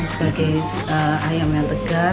sebagai ayam yang tegas